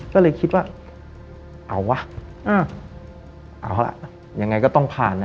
ก็เลยคิดว่าเอาวะเอาล่ะยังไงก็ต้องผ่านนะ